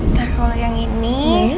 tahu lo yang ini